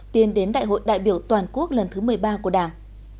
tiến đến đại hội đại biểu toàn quốc lần thứ một mươi ba của đảng